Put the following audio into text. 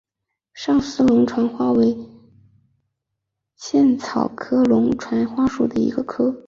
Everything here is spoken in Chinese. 上思龙船花为茜草科龙船花属下的一个种。